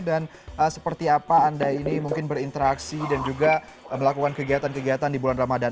seperti apa anda ini mungkin berinteraksi dan juga melakukan kegiatan kegiatan di bulan ramadan